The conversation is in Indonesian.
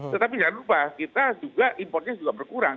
tetapi jangan lupa kita juga impornya juga berkurang